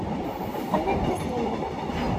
Qqen irkasen-nnem.